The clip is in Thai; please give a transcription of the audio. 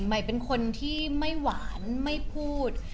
ใหม่เป็นคนที่ไม่หวานไม่พูด